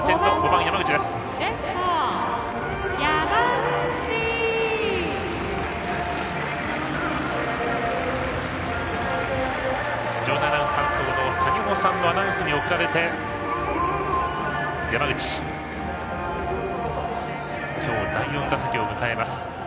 場内アナウンス担当の谷保さんのアナウンスに送られて山口、今日第４打席を迎えます。